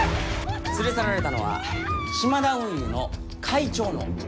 連れ去られたのはシマダ運輸の会長の孫。